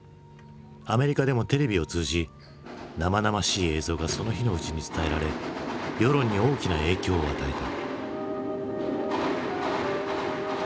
アメリカでもテレビを通じ生々しい映像がその日のうちに伝えられ世論に大きな影響を与えた。